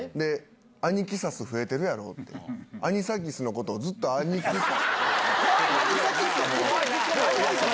アニキサス増えてるやろって、アニサキスのことをずっとアニキサス。